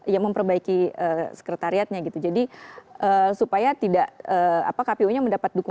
ya memperbaiki sekretariatnya gitu jadi supaya tidak apa kpu nya mendapat dukungan